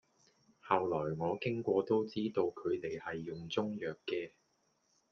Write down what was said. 後來我經過都知道佢哋係用中藥嘅，